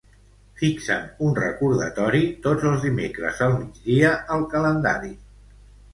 Fixa'm un recordatori tots els dimecres al migdia al calendari.